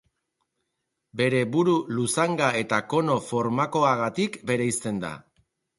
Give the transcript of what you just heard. Bere buru luzanga eta kono formakoagatik bereizten da.